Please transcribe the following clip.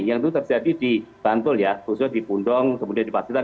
yang itu terjadi di bantul ya khususnya di pundong kemudian di pasutan